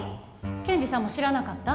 ケンジさんも知らなかった？